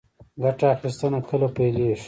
ګټه اخیستنه کله پیلیږي؟